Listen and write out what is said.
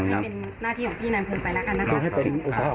ก็เป็นหน้าที่ของพี่น้ำเผลอไปแล้วกันนะครับ